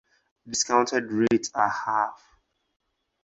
Discounted rates are half.